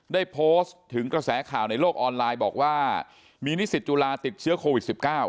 ได้โพสต์ถึงกระแสข่าวในโลกออนไลน์บอกว่ามีนิสิตจุฬาติดเชื้อโควิด๑๙